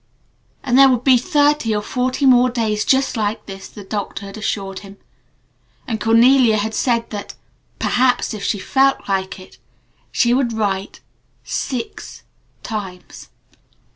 And there would be thirty or forty more days just like this the doctor had assured him; and Cornelia had said that perhaps, if she felt like it she would write six times.